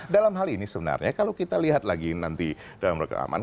dalam hal ini sebenarnya kalau kita lihat lagi nanti dalam rekaman